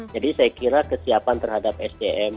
jadi saya kira kesiapan terhadap sdm